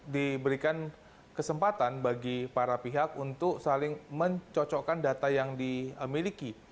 diberikan kesempatan bagi para pihak untuk saling mencocokkan data yang dimiliki